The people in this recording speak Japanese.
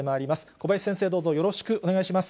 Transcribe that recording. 小林先生、どうぞよろしくお願いします。